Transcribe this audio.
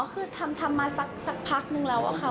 คือทำมาสักพักนึงแล้วอะค่ะ